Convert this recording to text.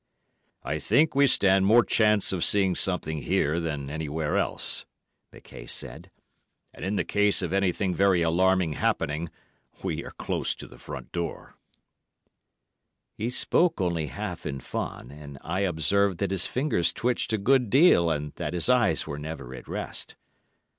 "I think we stand more chance of seeing something here than anywhere else," McKaye said; "and in the case of anything very alarming happening, we are close to the front door." [Illustration: "We both looked in the direction he indicated"] He spoke only half in fun and I observed that his fingers twitched a good deal and that his eyes were never at rest.